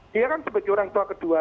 dia kan sebagai orang tua kedua